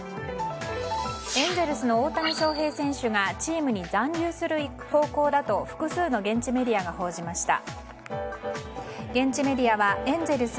エンゼルスの大谷翔平選手がチームに残留する方向だと複数の現地メディアが報じました。